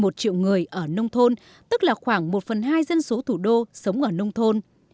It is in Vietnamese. một triệu người ở nông thôn tức là khoảng một phần hai dân số thủ đô sống ở nông thôn